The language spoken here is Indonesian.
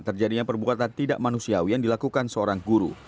terjadinya perbuatan tidak manusiawi yang dilakukan seorang guru